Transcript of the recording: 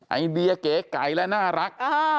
ไอเดียเก๋ไก่และน่ารัก